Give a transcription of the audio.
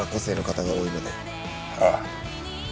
ああ。